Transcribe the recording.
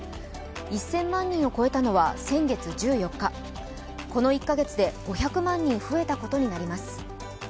１０００万人を超えたのは先月１４日、この１カ月で５００万人増えたことになります。